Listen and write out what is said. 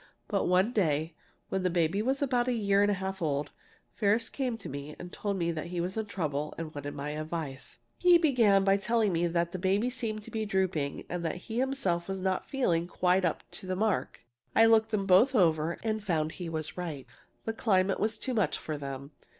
But one day, when the baby was about a year and a half old, Ferris came to me and told me he was in trouble and wanted my advice. "He began by telling me that the baby seemed to be drooping and that he himself was not feeling quite up to the mark. I looked them both over and found he was right. The climate was too much for them.